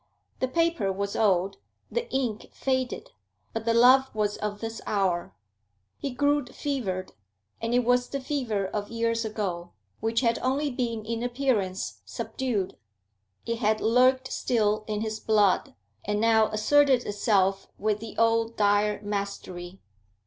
The paper was old, the ink faded, but the love was of this hour. He grew fevered, and it was the fever of years ago, which had only been in appearance subdued; it had lurked still in his blood, and now asserted itself with the old dire mastery.